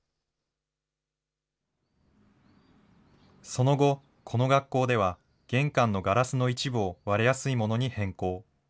その後、この学校では玄関のガラスの一部を割れやすいものに変更。